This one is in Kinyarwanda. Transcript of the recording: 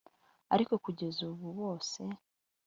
ariko kugeza ubu bose